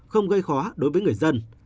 không gây khó đối với người dân